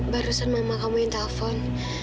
barusan mama kamu yang telpon